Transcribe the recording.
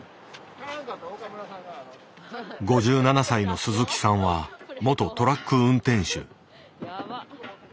５７歳の鈴木さんは元トラック運転手。